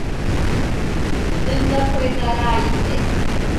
Dɨga kuega raa ite.